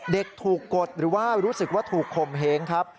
เด็กถูกกดหรือว่ารู้สึกว่าถูกข่มเหงครับ